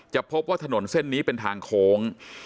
พบว่าถนนเส้นนี้เป็นทางโค้ง